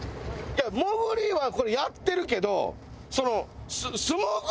いや潜りはこれやってるけどその。